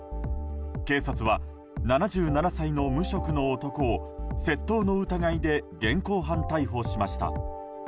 警察は、７７歳の無職の男を窃盗の疑いで現行犯逮捕しました。